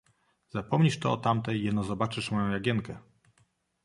"Zapomnisz ty o tamtej, jeno zobaczysz moją Jagienkę."